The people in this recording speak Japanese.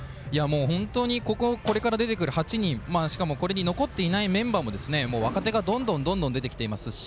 本当にこれから出てくる８人しかもこれに残っていないメンバーも若手がどんどん出てきていますし